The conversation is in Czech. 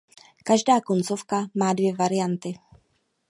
Každá koncovka má dvě varianty.